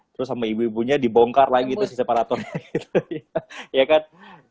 terus sama ibunya dibongkar lagi separatornya gitu ya kan